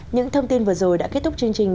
những thông tin vừa rồi đã kết thúc chương trình